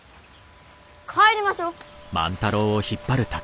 帰りましょう！